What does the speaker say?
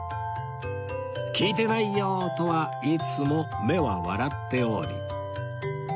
「聞いてないよォ」とは言いつつも目は笑っており